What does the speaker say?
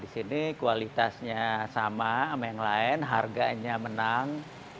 di sini kualitasnya sama sama yang lain harganya menang